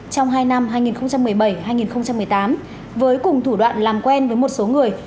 trong hai năm hai nghìn một mươi bảy hai nghìn một mươi tám với cùng thủ đoạn làm quen với một số người